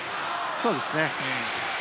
そうですね。